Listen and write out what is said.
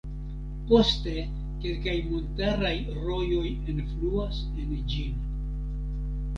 Poste kelkaj montaraj rojoj enfluas en ĝin.